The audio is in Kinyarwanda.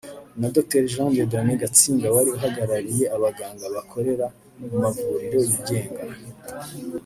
na Dr Jean Dieudonne Gatsinga wari uhagarariye abaganga bakorera mu mavuriro yigenga